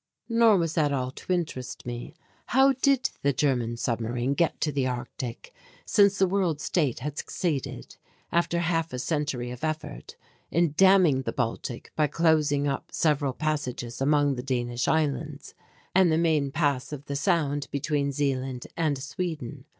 Nor was that all to interest me. How did the German submarine get to the Arctic since the World State had succeeded, after half a century of effort, in damming the Baltic by closing up several passes among the Danish Islands and the main pass of the sound between Zealand and Sweden?